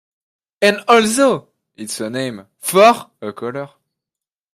And also, it's a name for a color.